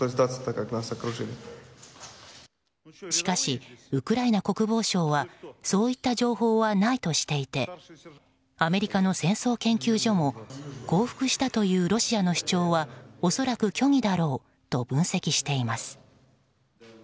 しかし、ウクライナ国防省はそうした情報はないとしていてアメリカの戦争研究所も降伏したというロシアの主張は恐らく虚偽だろうと分析しています。